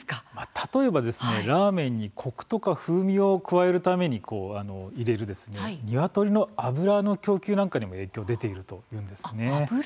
例えばラーメンにコクとか風味を加えるために入れるニワトリの脂の供給なんかにも影響が出ているというんです。